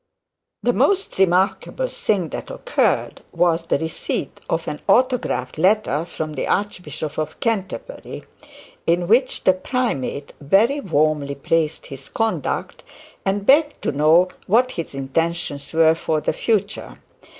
The most remarkable thing that occurred, was the receipt of an autographed letter from the Archbishop of Canterbury, in which the primate very warmly praised his conduct, and begged to know what his intentions were for the future.